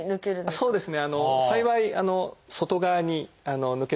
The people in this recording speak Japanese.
そうですね。